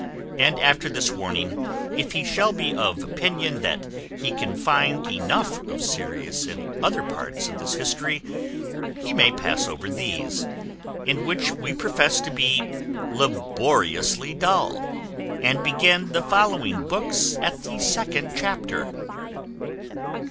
And after this warning, if he shall be of opinion that he can find enough of serious in other parts of this history, he may pass over these, in which we profess to be laboriously dull, and begin the following books at the second chapter.